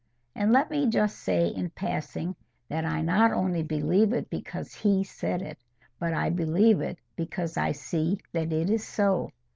And let me just say in passing that I not only believe it because He said it, but I believe it because I see that it is so.